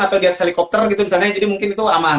atau lihat helikopter gitu misalnya jadi mungkin itu aman